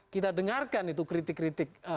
kita dengarkan itu kritik kritik